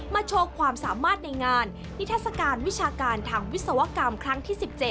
โชว์ความสามารถในงานนิทัศกาลวิชาการทางวิศวกรรมครั้งที่๑๗